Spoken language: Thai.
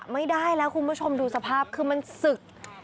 ไม่ได้แล้วคุณผู้ชมดูสภาพคือมันศึก